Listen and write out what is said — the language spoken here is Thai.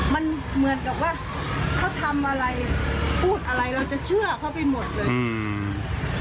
มันเหมือนกับว่าเขาทำอะไรพูดอะไรเราจะเชื่อเขาไปหมดเลยอืม